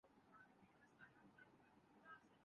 ان میں سے وہ صرف دو جیتنے